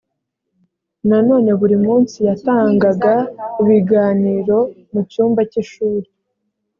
nanone buri munsi yatangaga ibiganiro mu cyumba cy ishuri